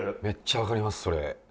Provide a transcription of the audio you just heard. めっちゃわかりますそれ。